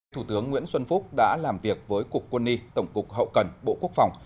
thủ tướng nguyễn xuân phúc đã làm việc với cục quân y tổng cục hậu cần bộ quốc phòng